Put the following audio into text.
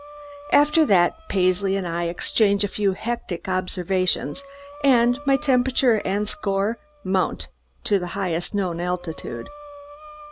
After that, Paisley and I exchange a few hectic observations and my temperature and score mount to the highest known altitude.